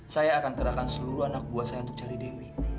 saya akan kerahkan seluruh anak buah saya untuk cari dewi